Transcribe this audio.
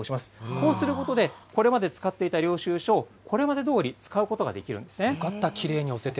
こうすることで、これまで使っていた領収書を、これまでどおり使うことができるんよかった、きれいに押せて。